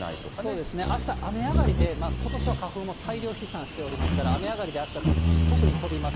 そうですね、あした、雨上がりでことしは花粉も大量飛散しておりますから、雨上がりで、あした、特に飛びます。